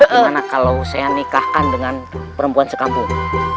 gimana kalau saya nikahkan dengan perempuan sekampung